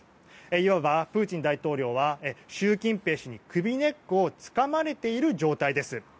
いわばプーチン大統領は習近平氏に首根っこをつかまれている状態です。